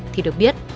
thì được biết